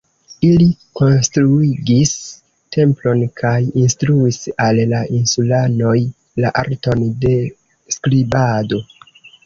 Ili konstruigis templon kaj instruis al la insulanoj la arton de skribado.